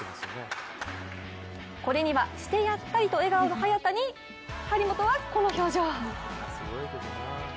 これには、してやったりの笑顔の早田に張本は、この表情。